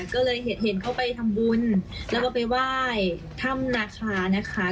ก็เลยเห็นเขาไปทำบุญแล้วก็ไปไหว้ถ้ำนาคานะคะ